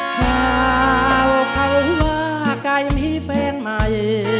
คราวเขาว่ากลายมีแฟนใหม่